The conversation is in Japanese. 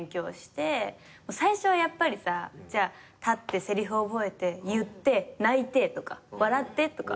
最初はやっぱりさ立ってせりふを覚えて言って泣いてとか笑ってとか。